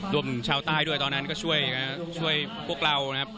รวมชาวใต้ด้วยตอนนั้นก็ช่วยพวกเรานะครับ